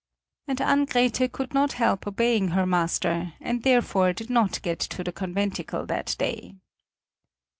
And Ann Grethe could not help obeying her master, and therefore did not get to the conventicle that day.